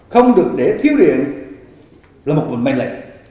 không được để thiếu điện là một bệnh manh lệ